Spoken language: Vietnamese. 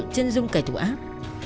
trên dung cải thủ áp